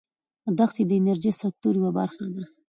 دښتې د انرژۍ سکتور یوه برخه ده.